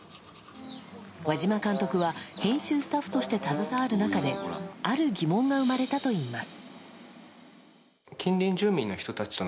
和島監督は編集スタッフとして携わる中である疑問が生まれたといいます。